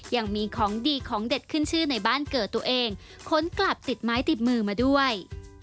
ยังมีของดีของเด็ดขึ้นชื่อในบ้านเกิดตัวเองค้นกลับติดไม้ติดมือมาด้วย